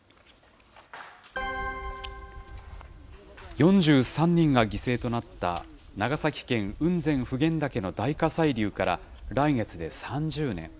４３人が犠牲となった長崎県、雲仙・普賢岳の大火砕流から来月で３０年。